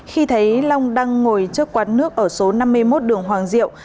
khi thấy long đang ngồi trước quán nước ở số năm mươi một đường hoàng diệu